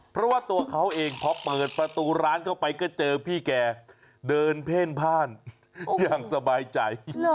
เพราะว่าตัวเขาเองพอเปิดประตูร้านเข้าไปก็เจอพี่แกเดินเพ่นพ่านอย่างสบายใจ